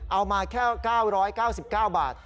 เอามาแค่๙๙๙บาท